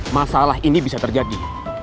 masalah ini bisa terjadi